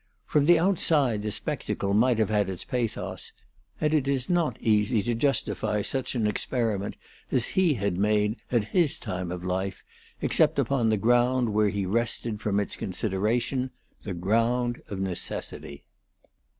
From the outside the spectacle might have had its pathos, and it is not easy to justify such an experiment as he had made at his time of life, except upon the ground where he rested from its consideration the ground of necessity.